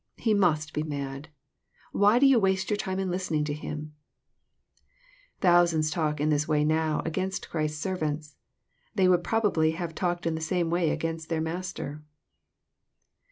He must be mad. Why do you waste your time in listening to Him ?"— Thousands talk in this way now against Christ's servants. They would probably have talked in the same way against their Master